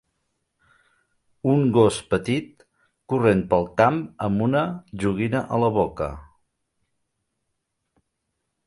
Un gos petit corrent pel camp amb una joguina a la boca.